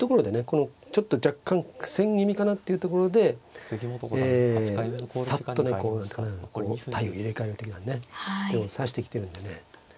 このちょっと若干苦戦気味かなっていうところでえサッとねこう体を入れ替える的なね手を指してきてるんでね